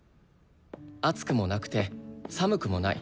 暑くもなくて寒くもない。